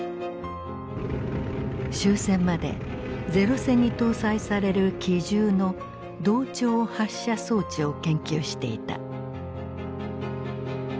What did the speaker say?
終戦まで零戦に搭載される機銃の同調発射装置を研究していた。